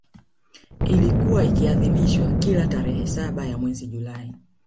Ilikuwa ikiadhimishwa kila tarehe saba ya mwezi julai